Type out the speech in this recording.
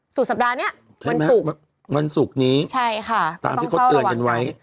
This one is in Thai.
สุดสัปดาห์นี้วันศุกร์ใช่ค่ะต้องเข้าระวังกัน